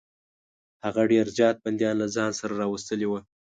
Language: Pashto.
هغه ډېر زیات بندیان له ځان سره راوستلي وه.